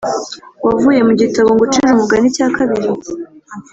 wavuye mu gitabo Ngucire Umugani cya kabiri